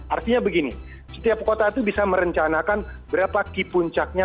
artinya begini setiap kota itu bisa merencanakan berapa key puncaknya